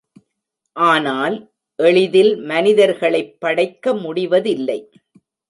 ஆனால் எளிதில் மனிதர்களைப் படைக்க முடிவதில்லை.